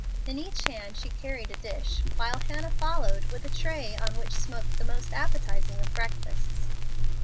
In each hand she carried a dish, while Hannah followed with a tray on which smoked the most appetizing of breakfasts.